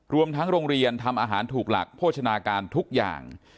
รวมทั้งโรงเรียนทำอาหารถูกหลักโภชนาการทุกอย่าง